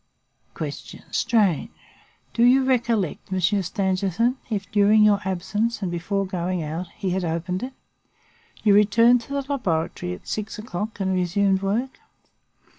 "Q. Strange! Do you recollect, Monsieur Stangerson, if during your absence, and before going out, he had opened it? You returned to the laboratory at six o'clock and resumed work?